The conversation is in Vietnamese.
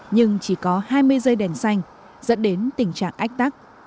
nhưng chỉ có hai mươi giây đèn xanh dẫn đến tình trạng áp